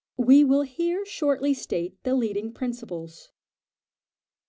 We will here shortly state the leading principles.